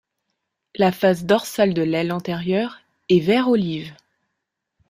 La face dorsale de l'aile antérieure est vert olive.